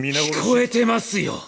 聞こえてますよ！